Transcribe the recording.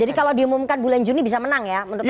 jadi kalau diumumkan bulan juni bisa menang ya menurut anda